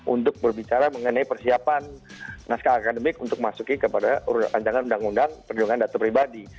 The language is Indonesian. untuk berbicara mengenai persiapan naskah akademik untuk masukin kepada ancangan undang undang perlindungan data pribadi